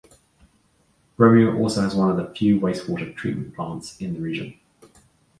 Romeo also has one of the few wastewater treatment plants in the region.